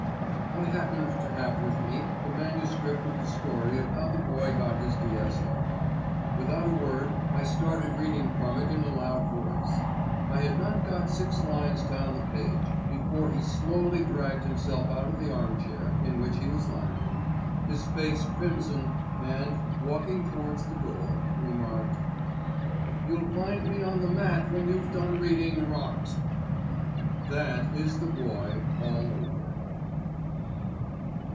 I happened to have with me the manuscript of the story of how the Boy got his D.S.O. Without a word I started reading from it in a loud voice. I had not got six lines down the page before he slowly dragged himself out of the armchair in which he was lounging, his face crimson, and, walking towards the door, remarked: "You'll find me on the mat when you've done reading rot." That is the Boy all over.